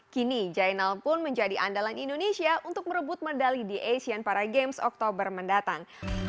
kini jainal pun menjadi andalan indonesia untuk merebut medali di asian para games oktober mendatang